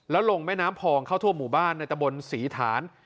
แล้วลงแม่น้ำพองเข้าทั่วหมู่บ้านในตะบนศรีฐาน